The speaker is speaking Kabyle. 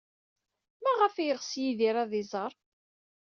Maɣef ay yeɣs Yidir ad iẓer?